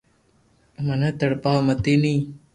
مني تڙپاو متي ني